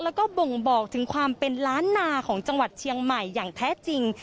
แล้วก็บ่งบอกถึงความเป็นล้านนาของจังหวัดเชียงใหม่อย่างแท้จริง